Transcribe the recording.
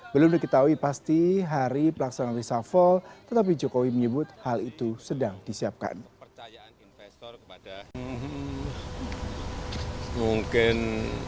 belum diketahui pasti hari pelaksanaan reshuffle tetapi jokowi menyebut hal itu sedang disiapkan